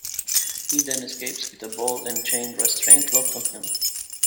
He then escapes with a ball-and-chain restraint locked on him.